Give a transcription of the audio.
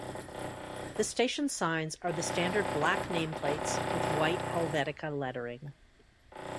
The station's signs are the standard black name plates with white Helvetica lettering.